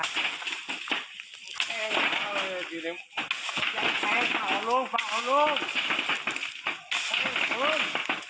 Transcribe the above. เผ่าลงเผ่าลง